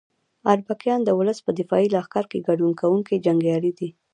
اربکیان د ولس په دفاعي لښکر کې ګډون کوونکي جنګیالي دي.